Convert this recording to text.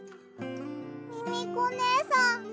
ミミコねえさん。